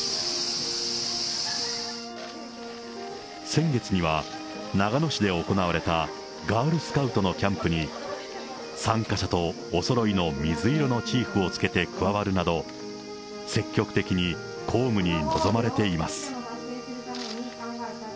先月には、長野市で行われたガールスカウトのキャンプに参加者とおそろいの水色のチーフをつけて加わるなど、積極的に公務に臨まれています。